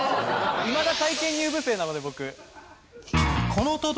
いまだ体験入部生なので僕。